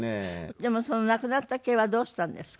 でもそのなくなった毛はどうしたんですか？